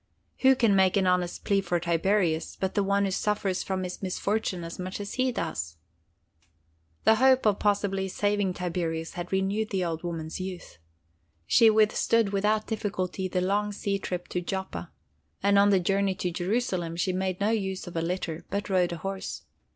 Who can make an honest plea for Tiberius, but the one who suffers from his misfortune as much as he does?" The hope of possibly saving Tiberius had renewed the old woman's youth. She withstood without difficulty the long sea trip to Joppa, and on the journey to Jerusalem she made no use of a litter, but rode a horse.